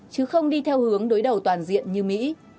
chứ không đi theo hướng đối đầu toàn diện như mỹ